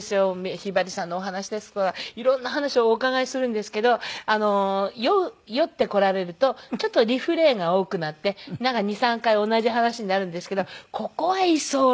ひばりさんのお話ですとか色んな話をお伺いするんですけど酔ってこられるとちょっとリフレインが多くなってなんか２３回同じ話になるんですけどここは居候。